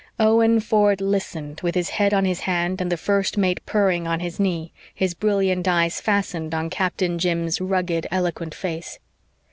Owen Ford listened, with his head on his hand, and the First Mate purring on his knee, his brilliant eyes fastened on Captain Jim's rugged, eloquent face.